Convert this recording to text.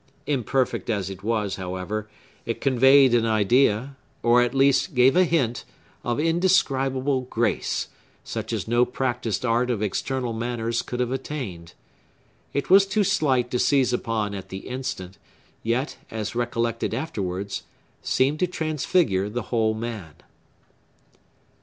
Imperfect as it was, however, it conveyed an idea, or, at least, gave a hint, of indescribable grace, such as no practised art of external manners could have attained. It was too slight to seize upon at the instant; yet, as recollected afterwards, seemed to transfigure the whole man.